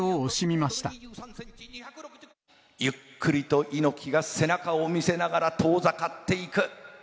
ゆっくりと猪木が背中を見せながら遠ざかっていく。